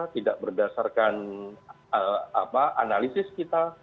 tidak berdasarkan analisis kita